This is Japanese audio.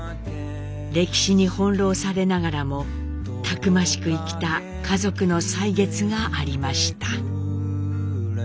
歴史に翻弄されながらもたくましく生きた家族の歳月がありました。